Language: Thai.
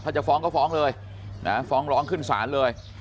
ถ้าจะฟ้องก็ฟ้องเลยนะฟ้องร้องขึ้นศาลเลย